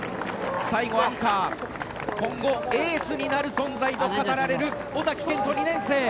最後はアンカー今後エースになる存在と語られる尾崎健斗、２年生。